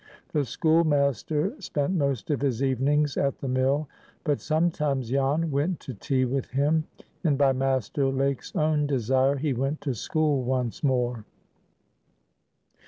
The schoolmaster spent most of his evenings at the mill; but sometimes Jan went to tea with him, and by Master Lake's own desire he went to school once more.